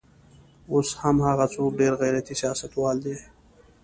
اوس هم هغه څوک ډېر غیرتي سیاستوال دی.